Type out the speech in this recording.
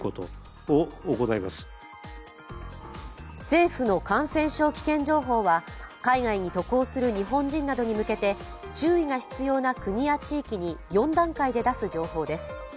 政府の感染症危険情報などは海外に渡航する日本人などに向けて、注意が必要な国や地域に４段階で出す情報です。